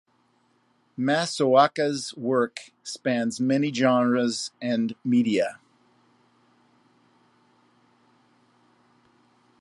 Masaoka's work spans many genres and media.